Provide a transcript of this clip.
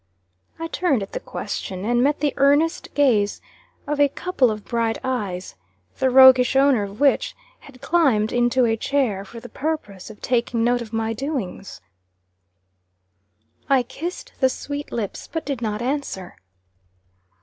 I turned at the question, and met the earnest gaze of a couple of bright eyes, the roguish owner of which had climbed into a chair for the purpose of taking note of my doings. I kissed the sweet lips, but did not answer.